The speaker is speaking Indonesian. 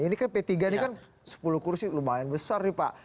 ini kan p tiga ini kan sepuluh kursi lumayan besar nih pak